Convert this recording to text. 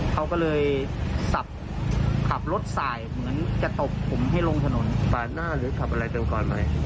เขาก็เลยสับขับรถสายเหมือนจะตบผมให้ลงถนนปาดหน้าหรือขับอะไรเร็วก่อนไป